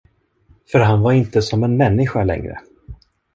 För han var inte som en människa längre.